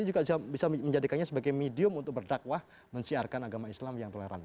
saya juga bisa menjadikannya sebagai medium untuk berdakwah mensiarkan agama islam yang toleran